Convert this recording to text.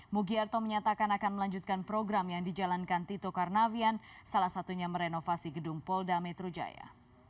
mugiarto menyatakan akan melanjutkan program yang dijalankan tito karnavian salah satunya merenovasi gedung polda metro jaya